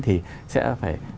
thì sẽ phải